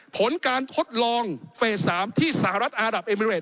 ผลการทดลองเฟส๓ที่สหรัฐอารับเอมิเรด